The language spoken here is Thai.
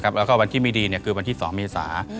บางวันที่ไม่ดีเนี่ยคือวันที่๒เมษา